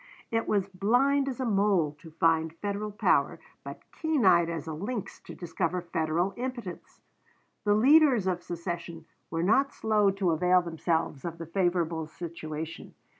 It was blind as a mole to find Federal power, but keen eyed as a lynx to discover Federal impotence. The leaders of secession were not slow to avail themselves of the favorable situation.